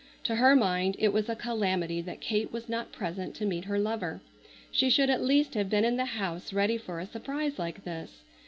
To her mind it was a calamity that Kate was not present to meet her lover. She should at least have been in the house ready for a surprise like this.